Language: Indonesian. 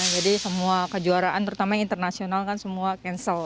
jadi semua kejuaraan terutama yang internasional kan semua cancel